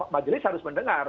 majelis harus mendengar